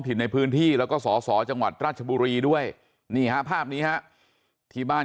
ในพื้นที่แล้วก็สอสอจังหวัดราชบุรีด้วยนี่ฮะภาพนี้ฮะที่บ้าน